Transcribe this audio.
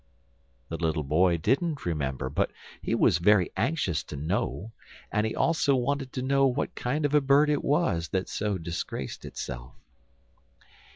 The little boy didn't remember, but he was very anxious to know, and he also wanted to know what kind of a bird it was that so disgraced itself.